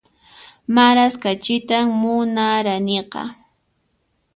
Maras kachitan munaraniqa